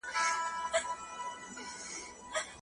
هېواد به د سياسي ثبات لوړ پوړ ته رسېدلی وي.